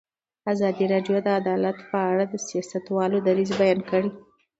ازادي راډیو د عدالت په اړه د سیاستوالو دریځ بیان کړی.